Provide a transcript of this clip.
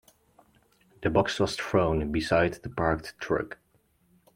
The box was thrown beside the parked truck.